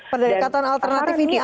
pendekatan alternatif ini apa maksudnya